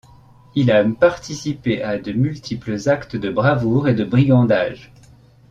Il a participé à de multiples actes de bravoures et de brigandages.